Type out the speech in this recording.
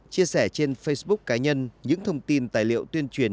chia sẻ trên facebook cá nhân những thông tin tài liệu tuyên truyền